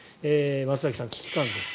松崎さん、危機感です。